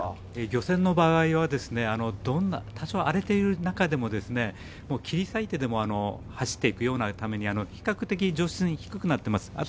漁船の場合は、多少荒れている中でも切り裂いてでも走っていくようなために、比較的重心が低くなっています。